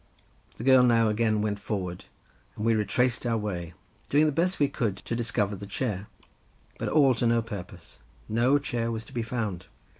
The girl now again went forward, and we retraced our way, doing the best we could to discover the chair, but all to no purpose; no chair was to be found.